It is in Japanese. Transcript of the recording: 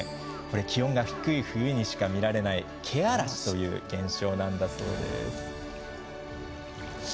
気温が低い冬にしか見られない気嵐という現象なんだそうです。